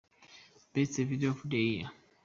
Best video of the Year.